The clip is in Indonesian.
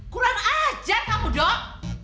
kuran aja kamu dok